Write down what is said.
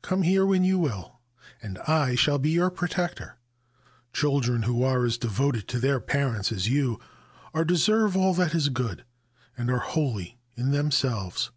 Come here when you will, and I shall be your protector. Children who are as devoted to their parents as you are deserve all that is good, and are holy in themselves.